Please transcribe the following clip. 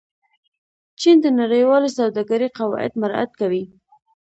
چین د نړیوالې سوداګرۍ قواعد مراعت کوي.